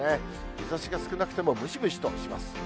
日ざしが少なくてもムシムシとします。